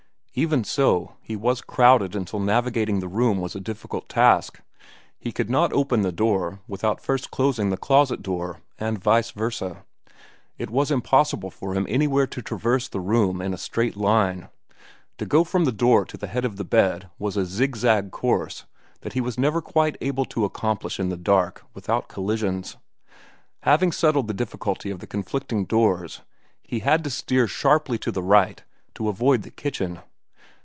Even so, he was crowded until navigating the room was a difficult task. He could not open the door without first closing the closet door, and vice versa. It was impossible for him anywhere to traverse the room in a straight line. To go from the door to the head of the bed was a zigzag course that he was never quite able to accomplish in the dark without collisions. Having settled the difficulty of the conflicting doors, he had to steer sharply to the right to avoid the kitchen.